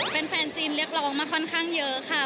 เป็นแฟนจีนเรียกร้องมาค่อนข้างเยอะค่ะ